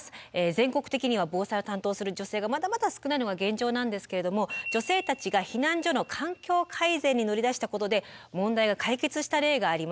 全国的には防災を担当する女性がまだまだ少ないのが現状なんですけれども女性たちが避難所の環境改善に乗り出したことで問題が解決した例があります。